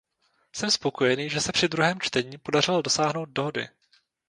Jsem spokojený, že se při druhém čtení podařilo dosáhnout dohody.